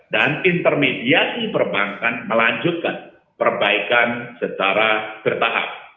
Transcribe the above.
dan intermediasi perbankan melanjutkan perbaikan secara bertahap